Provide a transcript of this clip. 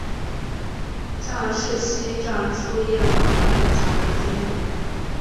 臧儿是西汉初燕王臧荼的孙女。